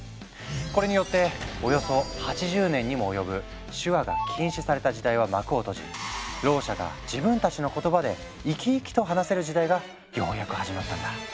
これによっておよそ８０年にも及ぶ手話が禁止された時代は幕を閉じろう者が自分たちの言葉で生き生きと話せる時代がようやく始まったんだ。